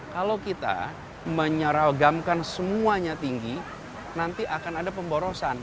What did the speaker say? kalau kita menyeragamkan semuanya tinggi nanti akan ada pemborosan